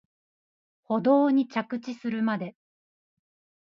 舗道に着地するまで